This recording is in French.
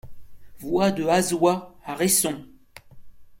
Voie de Hasoy à Resson